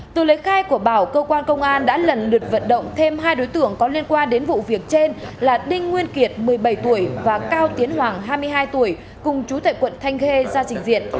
từ lấy khai của bảo cơ quan công an đã lần lượt vận động thêm hai đối tượng có liên quan đến vụ việc trên là đinh nguyên kiệt một mươi bảy tuổi và cao tiến hoàng hai mươi hai tuổi cùng chú tại quận thanh khê ra trình diện